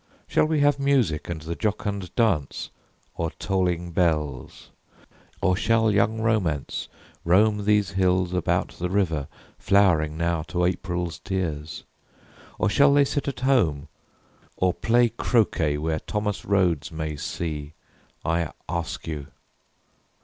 Shall we have music and the jocund dance, Or tolling bells? Or shall young romance roam These hills about the river, flowering now To April's tears, or shall they sit at home, Or play croquet where Thomas Rhodes may see, I ask you?